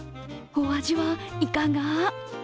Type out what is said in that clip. お味は、いかが？